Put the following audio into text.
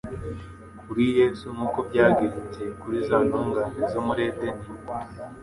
Kuri Yesu, nkuko byagenze kuri za ntungane zo muri Edeni,